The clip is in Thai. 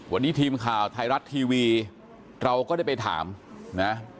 วันนี้ทีมข่าวไทยรัฐทีวีเราก็ได้ไปถามนะ